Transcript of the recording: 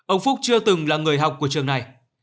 ông phúc chưa từng là người học của trường này